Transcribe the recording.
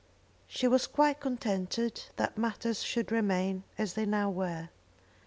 She was quite contented that matters should remain as they now were.